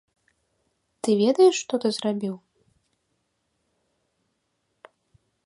Ты ведаеш, што ты зрабіў?